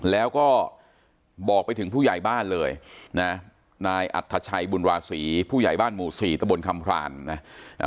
แล้วก็บอกไปถึงผู้ใหญ่บ้านเลยนะนายอัธชัยบุญวาศีผู้ใหญ่บ้านหมู่สี่ตะบนคำพรานนะ